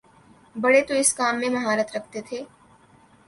بڑے تو اس کام میں مہارت رکھتے تھے۔